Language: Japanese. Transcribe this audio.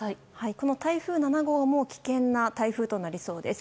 この台風７号も危険な台風となりそうです。